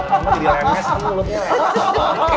emang dia lemes